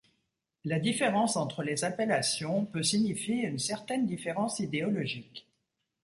La différence entre les appellations peut signifier une certaine différence idéologique.